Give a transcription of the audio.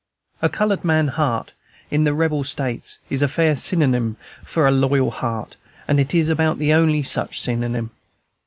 A colored man heart, in the Rebel States, is a fair synonyme for a loyal heart, and it is about the only such synonyme.